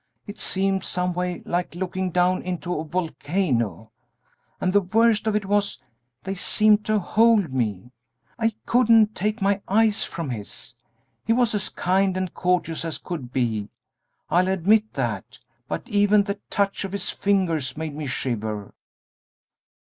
It seemed some way like looking down into a volcano! And the worst of it was, they seemed to hold me I couldn't take my eyes from his. He was as kind and courteous as could be, I'll admit that, but even the touch of his fingers made me shiver."